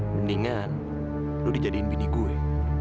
mendingan lu dijadiin bini gue